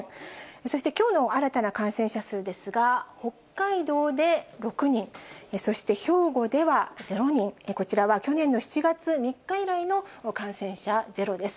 そしてきょうの新たな感染者数ですが、北海道で６人、そして兵庫では０人、こちらは去年の７月３日以来の感染者ゼロです。